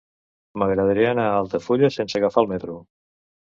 M'agradaria anar a Altafulla sense agafar el metro.